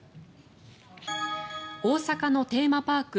大阪のテーマパーク